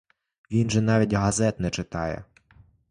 Він же навіть газет не читає.